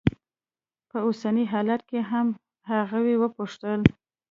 په اوسني حالت کې هم؟ هغې وپوښتل.